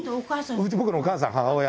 僕のお母さん、母親。